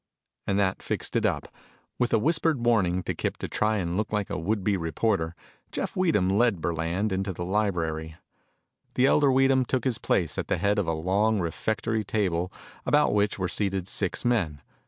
And that fixed it up. With a whispered warning to Kip to try and look like a would be reporter, Jeff Weedham led Burland into the library. The elder Weedham took his place at the head of a long refectory table about which were seated six men.